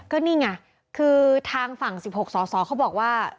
ก็นี่ไงคือทางฝั่ง๑๖สอสอเขาบอกว่า